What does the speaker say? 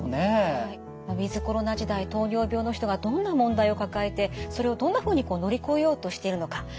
ウィズコロナ時代糖尿病の人がどんな問題を抱えてそれをどんなふうにこう乗り越えようとしているのか。